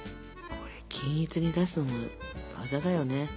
これ均一に出すのも技だよね。